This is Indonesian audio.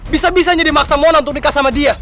bisa bisanya dia maksa mona untuk nikah sama dia